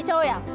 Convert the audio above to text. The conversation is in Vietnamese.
không ba năm